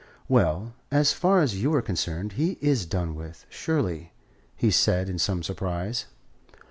"Well, as far as you are concerned, he is done with, surely," he said, in some surprise.